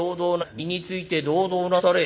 「身について同道なされ」。